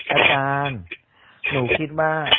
อาจารย์หนูคิดว่า